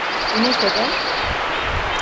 Bu ne kadar?